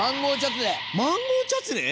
マンゴーチャツネ。